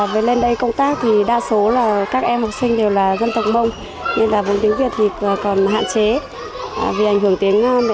với lên đây công tác thì đa số là các em học sinh đều là dân tộc mông nên là vùng tiếng việt thì còn hạn chế